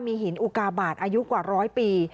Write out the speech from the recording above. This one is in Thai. มีหินอุกาบาทอายุกว่าร้อยปี